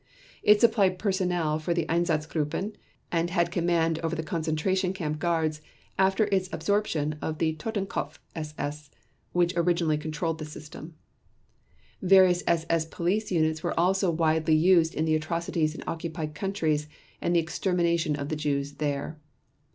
It supplied personnel for the Einsatzgruppen, and had command over the concentration camp guards after its absorption of the Totenkopf SS, which originally controlled the system. Various SS Police units were also widely used in the atrocities in occupied countries and the extermination of the Jews there.